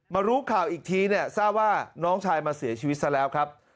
รู้ข่าวอีกทีเนี่ยทราบว่าน้องชายมาเสียชีวิตซะแล้วครับ